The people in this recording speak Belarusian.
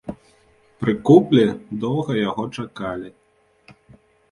Пры куплі доўга яго чакалі.